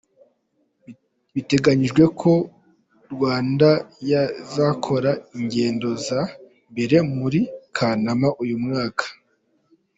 Biteganijwe ko Rwandeyaizakora ingendo za mbere muri Kanama uyu mwaka.